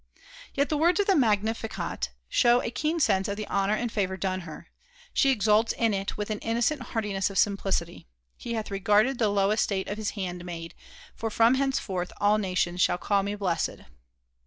Yet the words of the Magnificat show a keen sense of the honor and favor done her. She exults in it with an innocent heartiness of simplicity. "He hath regarded the low estate of his handmaid, for from henceforth all nations shall call me blessed."